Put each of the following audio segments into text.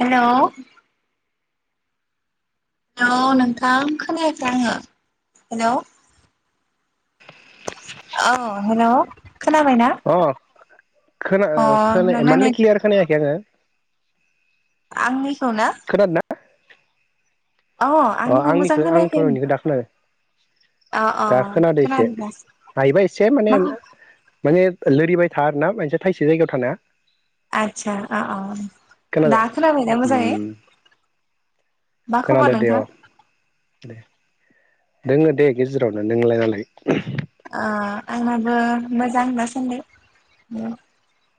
Hello hello नोंथां खोनायाखै आङो हेलौ हेल' खोनाबायना अ खोना ओ अ खोना नोंना मानलि नेट क्लियार खोनायाखै आङो। आंनिखौ ना? खोनादों ना अ आंनिखौ मोजां आंनिखो आंथ' खोनायाखै नोंनिखो दा खोनादों। अ अ दा खोनादो एसे खोनादों दासो हायोबा एसे माने मा माने लोरिबाय था आरोना मोनसे थाइसे जायगायाव थानाङा। आदसा औ औ खोनादो दा खोनाबाय ना मोजाङै? उम मा खोनादो खबर दे अ नोंथां? दे दोङो दे गेजेरावनो नोंलाय नालाय? ओ आंनाबो मोजां दा सानदै ओ।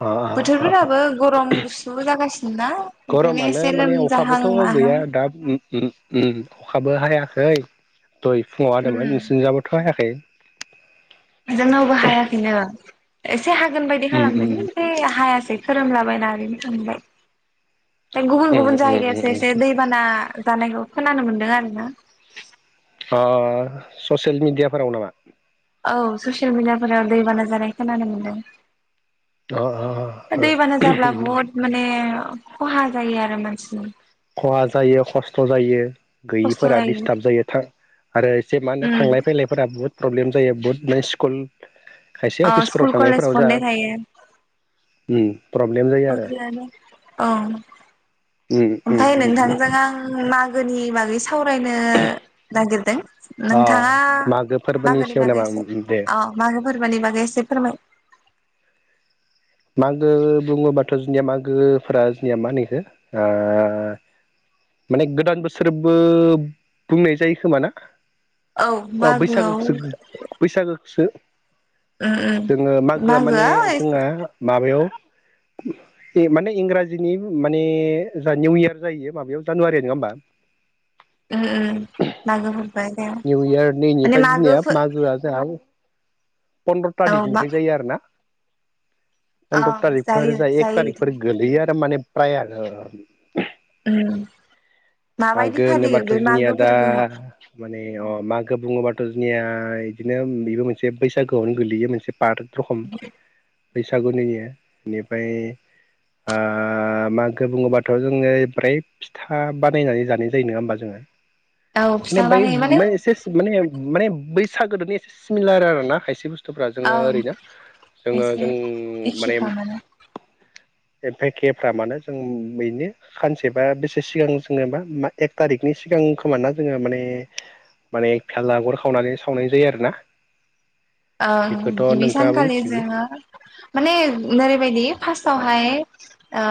अ अ अ बोथोरफोराबो गरम गुसु जागासिनो ना ओंखायनो गरमानो एसे माने लोमजाहां अखाबोथ' माहा गैया दा ओम ओम ओम अखाबो हाया खै दहाय फुङाव उम हादोंमोन नोंसिनि जाबोथ' हायाखै? जोंनावबो हायाखैनो एसे हागोन बायदि उम उम खालामदोंमोन ओमफाय हायासै। खोरोमला बायना ओरैनो थांबाय। ओमफ्राय गुबुन उम गुबुन उम जायगायाव उम एसे उम एसे दैबाना जानायखौ खोनानो मोनदों आरो ना। ओ ससियेल मिडियाफोराव नामा? औ ससियेल मिडियाफोराव दैबाना जानाय खोनानो अ मोनदों। दै बाना जाब्ला अ बहुत माने खहा जायो आरो मानसिनि खहा जायो खस्थ' जायो। गैयिफोरा डिस्टार्ब जायो थां आरो एसे मा होनो उम थांलाय फैलायफोरा बुहुद प्रब्लेम जायो बुहुत स्कुल खायसे अ स्कुल अफिसफोराव कलेज थांनायफोराव जा बन्द थायो ओम प्रब्लेम जायो आरो। औ उम उम ओमफाय उम नोंथांजों आं मागोनि बागै सावरायनो नागिरदों अ नोंथाङा मागो फोरबोनि मागोनि सायाव बागै नामा उम एसे उम दे औ मागो फोरबोनि बागै एसे फोरमाय मागो बुङोबाथ' जोंनिया मागोफोरा जोंनिया माहोनो इखो ओ माने गोदान बोसोरबो बुंनाय जायो खोमा ना? औ अ मागोआव बैसागोखौसो बैसागो खोसो उम उम जोङो मागोआ माने जोंहा माबायाव बे माने इंराजिनि माने जा निउ इयार जायो माबायाव जानुवारि नङा होमबा? उम मागो फोर निउ इयार माने नैनिफ्राय मागो जोंनिया फो मागोआ जोंहा पन्द्र' थारिकनिफ्राय जायो आरो ना? अ पन्द्र थारिखफोर जायो जा एक जायो थारिखफोर गोलैयो बिदिनो आरो माने प्रायानो। ओम। मागो होनोबाथ' जोंनिया दा माने अ मागो बुङोबाथ' जोंनिया ओमफाय बिदिनो बेबो मोनसे बैसागोआवनो गोलैयो मोनसे पार्ट रखम। बैसागुनियो बेनिफ्राय ओ मागो बुङोबाथ जोङो फ्राय फिथा बानायनानै जानाय जायो नङा होमबा जोङो? औ फिथा बानायो माने [unintelligible] बैसागोदोनि एसे सिमिलार आर ना खायसे बुस्थु बुस्थुफ्रा जोङो ओं ओरैनो जोङो एसे जों माने एखेफ्रामानो एफायकेफ्रा मानो जों बेनो सानसे बा बेसे सिगां जोङो मा एक थारिखनि सिगां खोमा ना जोङो माने माने भेलागुर खावनानै सावनाय जायो आरो ना। ओ गिबि सानखालि जोङो माने ओरैबायदि फार्स्टावहाय ओ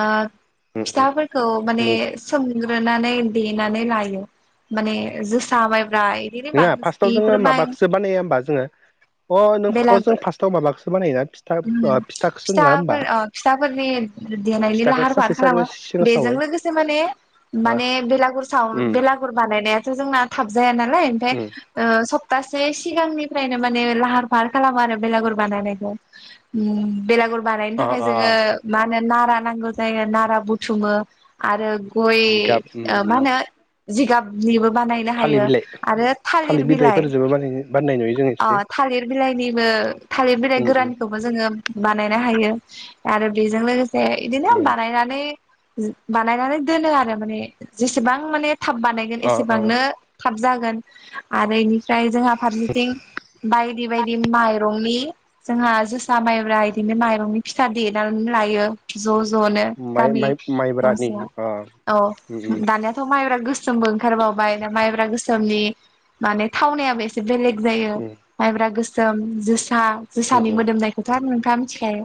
फिथाफोरखौ माने सों ग्रोनानै देनानै लायो माने जोसा माय नङा फार्स्टआव जोङो माबाखौसो बानायो होमबा जोङो अ नों अ बेलागुर जों फार्स्टआव माबाखोसो बानायो ना? उम। फिथाफोर फिथाफोरनि देनायनि फिथाखौ लाहार फाहार सानसे खालामो साननै सिगां बेजों सावो लोगोसे माने अ माने बेलागुर साव बेलागुर बानायनायाथ जोंना थाब जाया नालाय ओमफ्राय ओ सब सफथासे सिगांनिफ्रायनो माने लाहार फाहार खालामो आरो बेलागुर बानायनायखौ। उम, बेरागुर बानायनो अ थाखाय जोङो अ मा नारा नांगौ जायो नारा बुथुमो आरो गय जिगाब उम ओ मा उम होनो जिगाबनिबो बानायनो थालिर हायो बिलाइ आरो थालिर बिलाइ बिलाइफोरजोंबो बानाय बानायनाय नुयो जों ओ एसे थालिर बिलाइनिबो थालिर बिलाइ उम उम गोरानखौबो जोङो बानायनो हायो आरो बेजों लोगोसे इदिनो उम बानायनानै बानायनानै दोनो आरो माने जेसेबां माने थाब बानायगोन अ अ एसेबांनो थाब जागोन आरो इनि फ्राय जोंहा फारसेथिं बायदि बायदि माइरंनि जोंहा जोसा माइब्रा बिदिनो माइरंनि फिथा देनानै लायो। ज' ज' नो माइ गामि माइ माइब्रानि गंसे अ औ उम दानियाथ माइब्रा गोसोमबो ओंखारबावबाय ना माइब्रा गोसोमनि माने थावनायाबो एसे बेलेग जायो, उम माइब्रा गोसोम, जोसा जोसानि उम मो उम दा नोंथाङा मोथिखायो।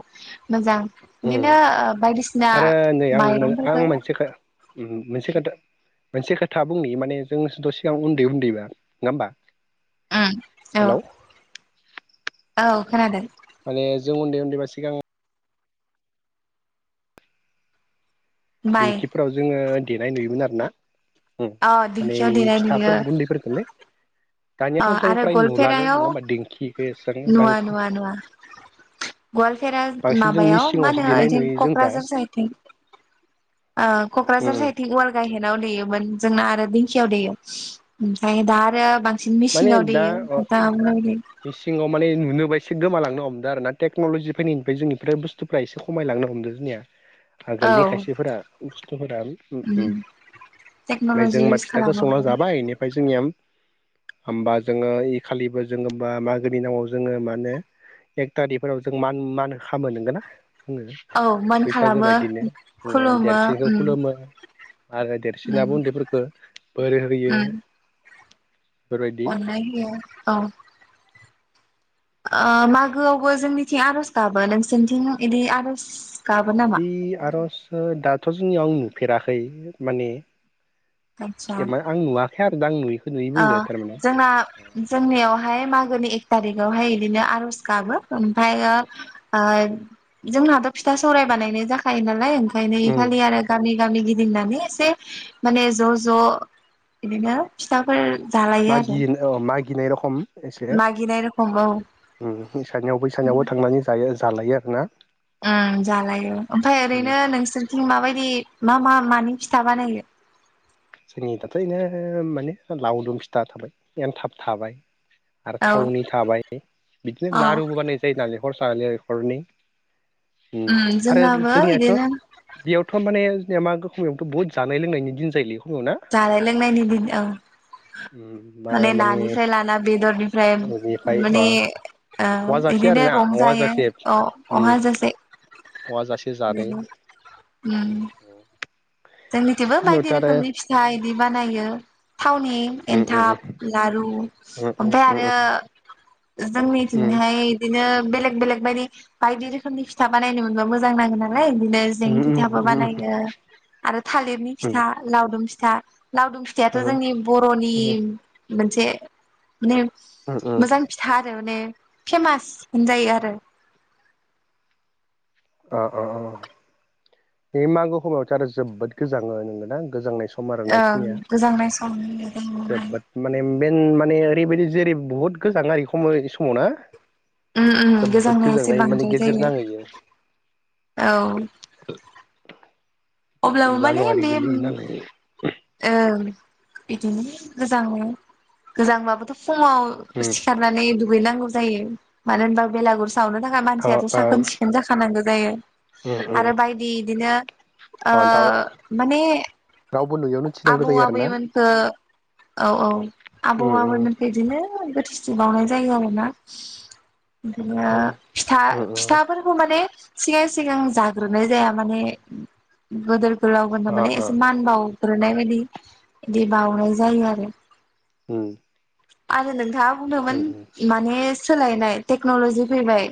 मोजां, बिदिनो उम बायदिसिना आरो नै आं माइरंफोरखौ आं मोनसे खो मोनसे खोथा। मोनसे खोथा बुंनि माने जोंथ सिगां उन्दै उन्दैबा नङा होमबा? उम, औ हेलौ औ खोनादों। माने जों उन्दै उन्दैबा सिगां माइ दिंखिफोराव जोङो देनाय नुयोमोन आरो ना। उम, अ माने दिंखियाव देनाय नुयो फिथाफोर गुन्दैफोरफोरखोलै। अ दानियाथ' जों आरो फ्राय नुलानो गवालपेरायाव नङा होमबा दिंखिखौ एसेबां नुवा बांसिन नुवा नुवा गवालपेरा बांसिन जों माबायाव मा मिसिङावसो होनो देनाय दि नुयो जों दा कक्राझार साइदथिं ओ उम कक्राझार सायदथिं गवाल गा हायेनाव देयोमोन जोंना आरो दिंखियाव देयो ओमफ्राय दा आरो बां बि माने मेसिंनाव दा देयो अ इसे गोमाालांनो हमदों आरो ना टेक्नलजि फैनायनिफ्राय जोंनिफ्राय बुस्थुफ्रा एसे खमायलनो हमदों जोंनिया। औ आगोलनि खायसेफोरा बुस्थुफोरा उम ओमफ्राय जों टेक्न'लजि होनबा इउस फिथाखौ संना खालामो जाबाय बेनिफ्राय जोंनिया होमबा जोङो इ खालिबो जोङो मागोनि नामाव जोङो माने एक थारिखफोराव जों मान मान खामो नोंगोन ना जोङो। औ मान फैसागो खालामो बादिनो जोङो खुलुमो देरसिनखौ उम खुलुमो। आरो उम देरसिनाबो उन्दैफोरखो बोर होयो उम बेफोरबायदि अननाय होयो औ ओ मागोआवबो जोंनिथिं आरज गाबो नोंसोरनिथिं इदि आरज गाबो नामा थि आरजफोर दाथ जोंनियाव नुफेराखै माने आतसा एमान आं नुवाखै आरो दा आं नुयिख ओ जोंना जोंनियावहाय मागोनि एक थाथिखौ आवहाय इदिनो आरज गाबो ओमफायो ओ जोंना थ फिथा सौराय बानायनाय जाखायो नालाय ओंखायनो उम इखालि आरो गामि गामि गिदि दिंनानै एसे माने ज ज इदिनो फिथाफोर जालायो आरो मागियो अ मागिनाय रखम एस से मागिनाय रखम औ ओम ओइसानियाव बैसानियावबो थांनानै जायो जालायो आरो ना ओम जालायो ओमफ्राय ओरैनो नोंसोरथिं माबायदि मा मा मानि फिथा बानायो? जोंनि दाथ इनो माने लावदुम फिथा थाबाय एन्थाब थाबाय। आरो औ थावननि थाबाय बिदिनो औ लारुबो बानायनाय जायो नालेंखर साले खरनि ओम आरो जोंनाबो जोंनियाथ' बिदिनो बेयावथ माने या मागो खमायावथ' बहुत जानाय लोंनायनि दिन जायोलै। खमाव ना जानाय लोंनायनि दिन ओं। उम मा माने नानिफ्राय लाना बेदरनिफ्राय बेनिफ्राय अ माने ओ औवाजासे बिदिनो आरोना रंजायो औवाजासे उम अ-अहाजासे। औवाजासे जानाय [unintelligible] ओम जोंनिथिबो बायदि खमयावथ' आरो रोखोमनि फिथा इदि बानायो। थावनि उम उम एन्थाब उम लारु उम ओमफाय उम आरो उम जोंनिथिंहाय इदिनो बेलेग बेलेग बायदि बायदि रोखोमनि फिथा बानायनो मोनबा मोजां नांगोन आरो। बिदिनो जें उम उम फिथाबो उम बानायगोन आरो थालिरनि उम फिथा लावदुम फिथा लावदुम फिथायाथ जोंनि बरनि उम मोनसे माने उम मोजां फिथा आरो माने फेमास होनजायो आरो। अ अ अ बे मागो खमायावथ आरो जोबोद गोजाङो नंगोना दा गोजांनाय स सम आरोना ओं इखिनिया गोजांनाय समनि टाइमावहाय जोबोद माने बेन माने ओरैबायदि जेरै बुहुत गोजां आरो इखमय इसमाव ना उम उम जोबोद गोजांनाया एसे गोजांनाय माने बांद्राय गेजेर जायो नांहैयो औ अब्लाबो माने जानुवारि बे ओम गोलैयो नालाय ओं। बिदिनो गोजाङो गोजांबाबोथ फुङाव उम सिखारनानै दुगैनांगौ जायो मानो होनबा बेलागुर सावनो थाखाय अ मानसियाथ अ साखोन सिखोन जाखानांगो जायो उम उम आरो बायदि इदिनो ओ अ दा माने रावबो नुयियावनो थिनांगौ आबौ जायो आरो ना आबैमोनखो औ औ आबौ उम उम आबैमोनखो इदिनो गोथैसि बावनाय जायो आरोना बिदिनो उम फिथा फिथाफोरखौ माने सिगां सिगां जाग्रोनाय जाया माने गोदोर गोलाव होन माने एसे मान बाव ग्रोनाय बायदि बिदि बावनाय जायो आरो ओम। आरो नोंथाङा बुंदोंमोन माने सोलायनाय टेक्नलजि फैबाय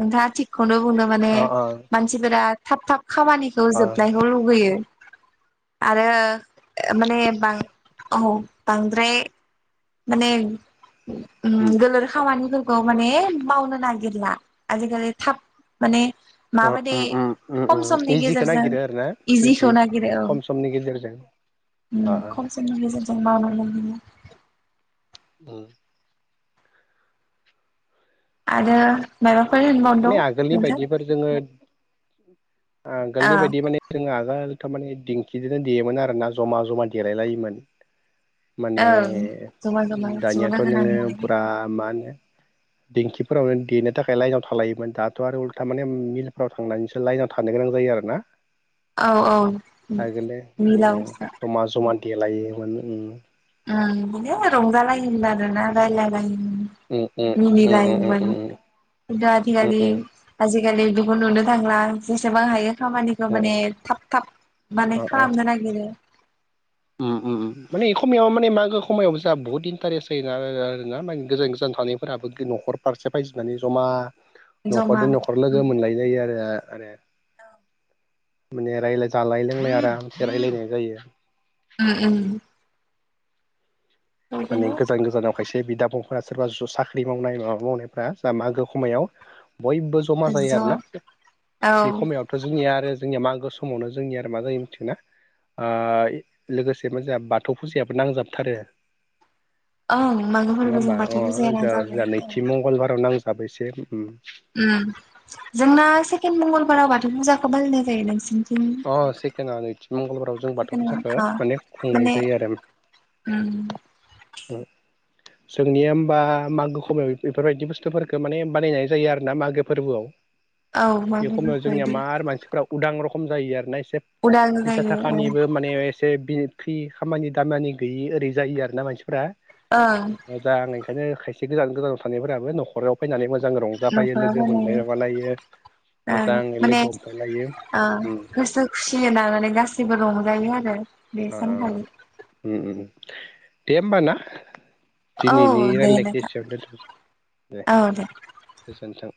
नोंथाङा थिग खौनो बुंदो माने मानसिफोरा थाब थाब खामानिखौ आ जोबनायखौ लुुगैयो। आरो माने बां औ बांद्राय माने ओ उम गोलोर खामानि खौ माने मावनो नागिरला आजिखालि थाब माने ओ माबायदि उम उम उम खम उम समनि इजिखौ गेजेरजों नागिरो आरो ना इजि इजिखौ नागिरो औ। खम समनि गेजेरजों आ उम आ खम समनि गेजेरजों मावनो मोनो। उम। आरो मा माने आगोलनि बायदिफोर जोङो आगोलनि बायदि माने जोंङो आगोलथ' माने दिंखिजोंनो देयोमोन आरोना जमा जमा देलाय लायोमोन माने ओं जमा जमा ज' लोगो दानियाथ' नोङो नांनानै फुरा मा होनो दिंखिफोरावनो देनो थाखाय लाइनाव थालायोमोन दाथ' आरो उल्था माने मिलफ्राव थांनानैसो लाइनाव थानो गोनां जायो आरो ना। औ औ आगोलो मिलाव जमा जमा देलायोमोन - ओं बिदिनो रंजालायोमोन आरोना रायलायलायो। उम उम उम उम मिनिलायोमोन उम उम खिन्थु उम आजिखालि आजिखालि बेखौ नुनो थांला जेसेबां हायो खामानिखौ उम माने थाब थाब माने अ अ खालामनो नागिरो। उम उम माने ए खमायाव माने मागो खमायाव जोंहा बहुत इन्टारेस्ट जायोना आ-आ-आरोना गोजान गोजान। थानायफोराबो न'खर फारसे फायजोबनानै ज'मा जमा न'खरजों न'खर लोगो उम मोनलाय जायो आरो आरो माने रायलाय जालाय लोंलाय आरामसे रायलायनाय जायो। उम उम। माने बिदिनो गोजान गोजानाव खायसे बिदा फं सोरबा साख्रि मावनाय माबा मावनायफोरा जा मागो खमायाव बयबो जमा जायो ज' आरो ना औ बे खमायावथ' जोंनिया आरो जोंनिया मागो गो समावनो जोंनि आरो मा जायो मिथिगोना ओ लोगोसेबो जा बाथौ फुजायाबो नांजाबथारो ओं मागो नंङा फोरबो होमबा? जों बाथौ अ' फुजाया जा नांजाबनाय जा नैथि मंगलबाराव नांजाबो एसे उम। उम जोंना सेकेणड मंगलबाराव बाथौ फुजाखौ फालिनाय जायो नोंसिनि अ' सेकेणडा नैथि मंगलबाराव जों बाथौ सेकेण्ड फुजाखौ अ माने खुंनाय माने जायो आरो। उम। [unintelligible] जोंनिया होमबा मागो खमायाव बेफोरबायदि बुस्थुफोरखौ माने बानायनाय जायो आरो ना मागो फोरबोआव औ बे मागो खमायाव फोरबो जोंनिया इदि मार मानसिफ्रा उदां रख खम जायो आरोना एसे उदां फैसा जायो ओं थाखानिबो माने एसे बिर फ्रि खामानि दामानि गैयि ओरै जायो आरोना मानसिफोरा ओं मोजां आं ओंखायनो खाय एसे गोजान गोजानाव थानायफोराबो न'खराव फैनानै मोजां रंजाफायो न'खराव लोगो मोनलाय बानायो माबालायो ओं मोजाङै माने लोगो हमफायलायो ओ गोसो खुसि नानानै गासैबो रंजायो आरो बे ओ सानखालि ओ उम उम दे होमबा ना? औ दिनैनि दे रायलायनायखौ नोंथां एसेयावनो दोनथ'नोसै दे गोजोनथों।